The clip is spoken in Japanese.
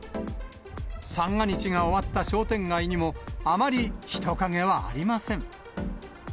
三が日が終わった商店街にも、あまり人影はありません。